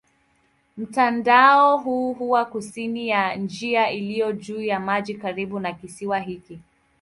Mtandao huu huwa kusini ya njia iliyo juu ya maji karibu na kisiwa hiki.